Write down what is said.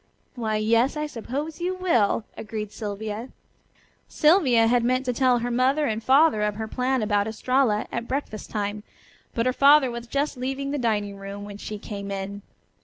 "Why, yes, I suppose you will," agreed Sylvia. Sylvia had meant to tell her mother and father of her plan about Estralla at breakfast time, but her father was just leaving the dining room when she came in.